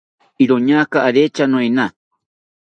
iroñaka aretya noena